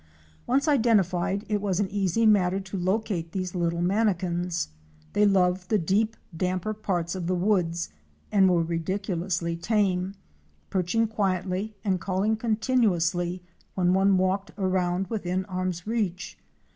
Once identified it was an easy matter to locate these little Manakins. They loved the deep, damper parts of the woods and were ridiculously tame, perching quietly and calling continuously when one walked around within arm's reach.